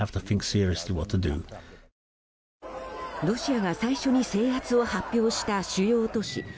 ロシアが最初に制圧を発表した主要都市